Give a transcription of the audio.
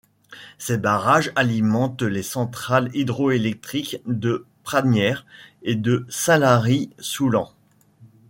Ces barrages alimentent les centrales hydroélectriques de Pragnères et de Saint-Lary-Soulan.